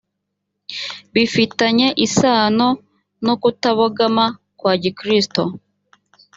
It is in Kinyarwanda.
bifitanye isano no kutabogama kwa gikristo